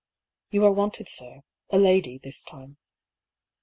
" You are wanted, sir. A lady, this time."